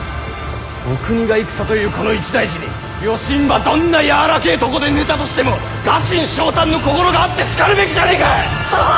お国が戦というこの一大事によしんばどんな柔らけぇ床で寝たとしても臥薪嘗胆の心があってしかるべきじゃねぇか！